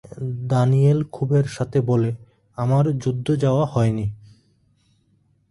Danijel ক্ষোভের সাথে বলে, ‘আমার যুদ্ধ যাওয়া হয়নি।